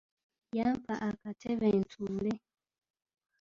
Yampa akatebe ntuule.